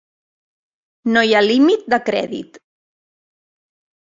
No hi ha límit de crèdit.